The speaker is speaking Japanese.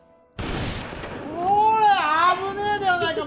こら危ねえではないか。